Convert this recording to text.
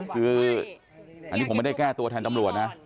คืออันนี้ผมไม่ได้แก้ตัวแทนตำรวจนะ